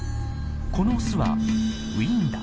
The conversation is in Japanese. このオスはウィンダ。